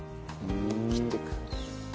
切っていく。